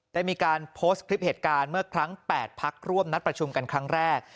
ได้มีการโพสต์คลิปเหตุการณ์เมื่อครั้ง๘พักร่วมนัดประชุมกันครั้งแรก